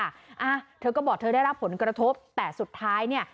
อ่ะเธอก็บอกเธอได้รับผลกระทบแต่สุดท้ายเนี่ย